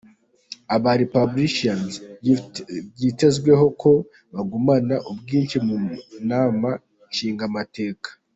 Aba Republicains vyitezwe ko bagumana ubwinshi mu nama nshingamateka.